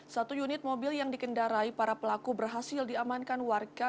satu unit mobil yang dikendarai para pelaku berhasil diamankan warga